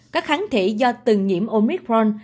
các kháng thỉ do từng nhiễm omicron